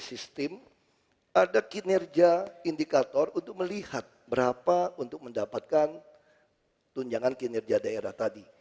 sistem ada kinerja indikator untuk melihat berapa untuk mendapatkan tunjangan kinerja daerah tadi